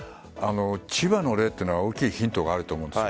千葉の例というのは大きいヒントがあると思うんです。